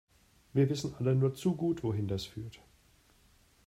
Wir wissen alle nur zu gut, wohin das führt.